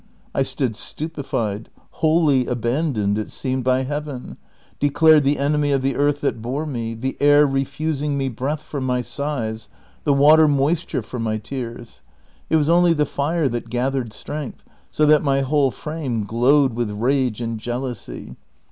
I stood stupefied, wholly abandoned, it seemed, by Heaven, declared the enemy of the earth that bore me, the air refusing me breath for my sighs, the water moisture for my tears; it was only the fire that gathered strength so that my whole frame glowed with rage and jealousy.